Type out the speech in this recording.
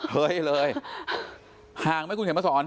เฮ้ยเลยห่างไหมคุณเขียนมาสอน